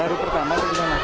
baru pertama atau gimana